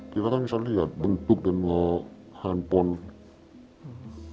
kita kan bisa lihat bentuk dan nilai handphone